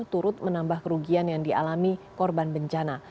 turut menambah kerugian yang dialami korban bencana